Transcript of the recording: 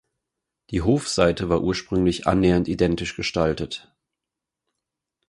Die Hofseite war ursprünglich annähernd identisch gestaltet.